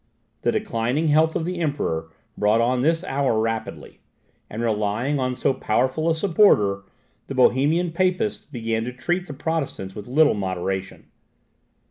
The declining health of the Emperor brought on this hour rapidly; and, relying on so powerful a supporter, the Bohemian Papists began to treat the Protestants with little moderation.